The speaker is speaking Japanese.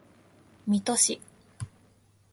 水戸市